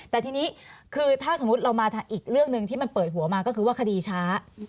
แต่ทีนี้คือถ้าสมมุติเรามาอีกเรื่องหนึ่งที่มันเปิดหัวมาก็คือว่าคดีช้า